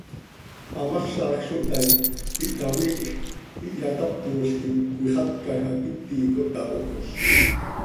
Hamazaj zo htaai, ihtamihj, ihyatápolquim, cöixatcaj hac iti cohtahojoz.